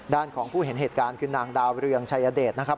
ด้านของผู้เห็นเหตุการณ์คือนางดาวเรืองชัยเดชนะครับ